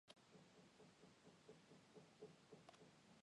旋量场的狄拉克方程的解常被称为调和旋量。